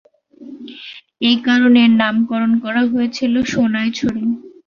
এই কারণে এর নামকরণ করা হয়েছিল "সোনাইছড়ি"।